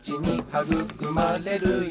「はぐくまれるよ